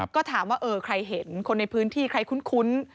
ก็ถามว่าเออใครเห็นคนในพื้นที่ใครคุ้น